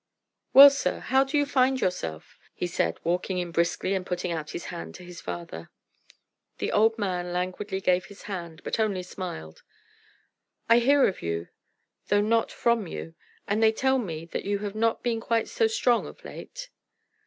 "Well, sir, how do you find yourself?" he said, walking in briskly and putting out his hand to his father. The old man languidly gave his hand, but only smiled. "I hear of you, though not from you, and they tell me that you have not been quite so strong of late."